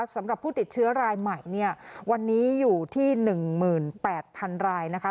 สำหรับผู้ติดเชื้อรายใหม่เนี่ยวันนี้อยู่ที่๑๘๐๐๐รายนะคะ